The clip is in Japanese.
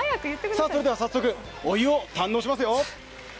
それでは早速、お湯を堪能しますよ